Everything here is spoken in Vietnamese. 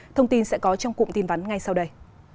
thông tin sẽ có trong cụm tin vắn ngay sau đây